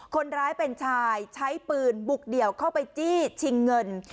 คนร้ายเป็นชายใช้ปืนบุกเดี่ยวเข้าไปจี้ชิงเงิน